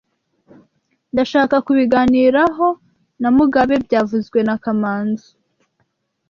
Ndashaka kubiganiraho na Mugabe byavuzwe na kamanzi